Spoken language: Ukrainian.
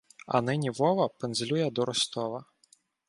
А нині Вова пензлює до Ростова.